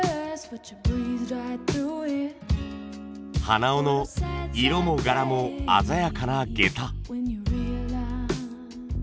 鼻緒の色も柄も鮮やかな下駄。